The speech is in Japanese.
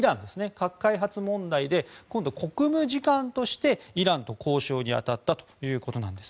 核開発問題で今度、国務次官としてイランと交渉に当たったということなんです。